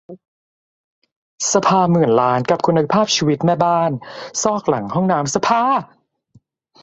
สภาหมื่นล้านกับคุณภาพชีวิตแม่บ้านซอกหลังห้องน้ำสภา !